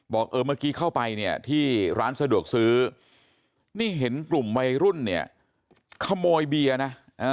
บอกเออเมื่อกี้เข้าไปเนี่ยที่ร้านสะดวกซื้อนี่เห็นกลุ่มวัยรุ่นเนี่ยขโมยเบียร์นะ